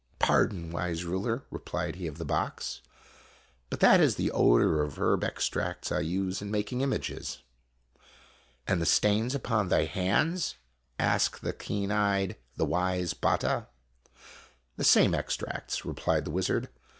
"Pardon, wise ruler," replied he of the box; "that is but the odor of herb extracts I use in making images." "And the stains upon thy hands?" asked the keen eyed, the wise Batta. " The same extracts," replied the wizard.